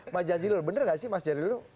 mas jajilul benar gak sih mas jajilul